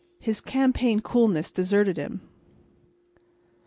His campaign coolness deserted him.